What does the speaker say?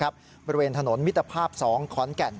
บริเวณถนนมิตรภาพ๒ขอนแก่น